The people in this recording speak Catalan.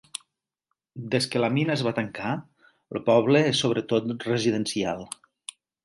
Des que la mina es va tancar, el poble es sobretot residencial.